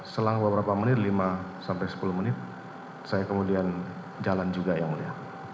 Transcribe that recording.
selang beberapa menit lima sampai sepuluh menit saya kemudian jalan juga yang mulia